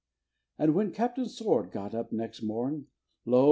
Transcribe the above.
And when Captain Sword got up next morn, Lo!